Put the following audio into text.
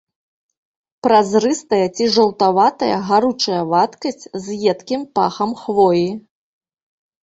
Празрыстая ці жаўтаватая гаручая вадкасць з едкім пахам хвоі.